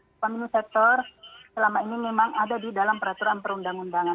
upah minimum sektor selama ini memang ada di dalam peraturan perundang undangan